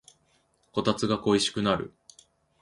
こたつが恋しくなる